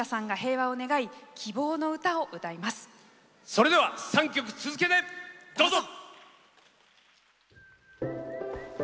それでは３曲続けて、どうぞ。